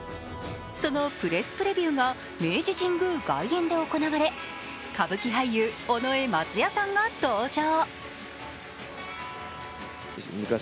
そのプレスプレビューが明治神宮外苑で行われ、歌舞伎俳優・尾上松也さんが登場。